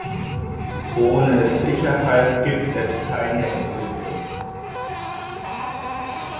Ohne Sicherheit gibt es keine Entwicklung.